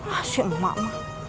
ah si emak ma